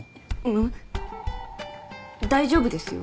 ムム大丈夫ですよ